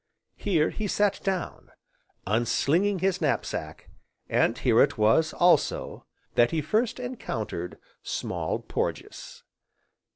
Here he sat down, unslinging his knap sack, and here it was, also, that he first encountered Small Porges.